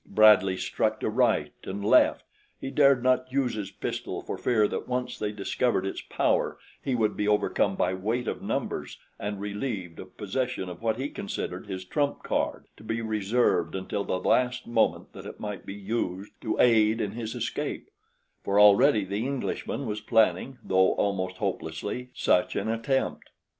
Bradley struck to right and left. He dared not use his pistol for fear that once they discovered its power he would be overcome by weight of numbers and relieved of possession of what he considered his trump card, to be reserved until the last moment that it might be used to aid in his escape, for already the Englishman was planning, though almost hopelessly, such an attempt.